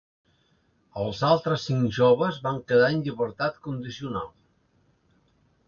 Els altres cinc joves van quedar en llibertat condicional.